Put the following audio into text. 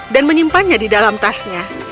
dan menyimpannya di dalam tasnya